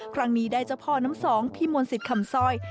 ครั้งนี้ได้เจ้าพ่อน้ำสองพี่มนต์สิทธิ์คำซอย